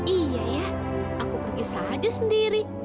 iya ya aku pergi saja sendiri